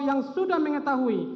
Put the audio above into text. yang sudah mengetahui